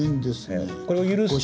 これを許す。